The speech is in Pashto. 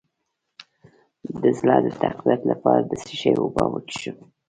د زړه د تقویت لپاره د څه شي اوبه وڅښم؟